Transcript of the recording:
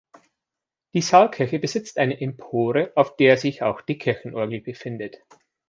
Die Saalkirche besitzt eine Empore auf der sich auch die Kirchenorgel befindet.